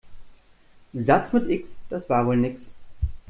Satz mit X, das war wohl nix.